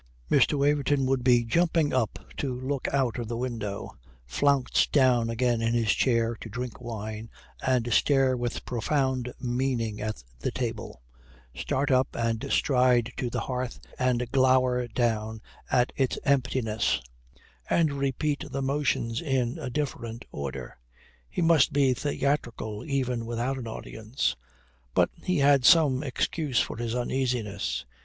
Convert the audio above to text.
Mr. Waverton would be jumping up to look out of the window, flounce down again in his chair to drink wine and stare with profound meaning at the table, start up and stride to the hearth and glower down at its emptiness and repeat the motions in a different order. He must be theatrical even without an audience. But he had some excuse for his uneasiness.